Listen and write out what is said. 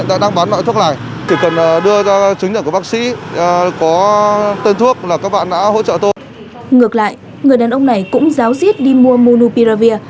ngược lại người đàn ông này cũng ráo riết đi mua monupiravir